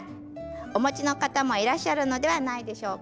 お持ちの方もいらっしゃるのではないでしょうか。